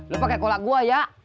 lu pake kolak gua ya